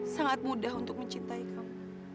sangat mudah untuk mencintai kamu